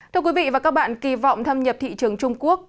thưa quý vị và các bạn kỳ vọng thâm nhập thị trường trung quốc